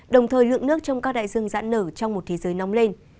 đồng thời lượng nước trong các đại dương giãn nở trong một thế giới nóng lên